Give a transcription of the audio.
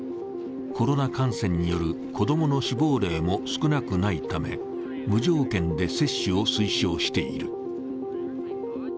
コロナ感染による子供の死亡例も少なくないため無条件で接種を推奨している。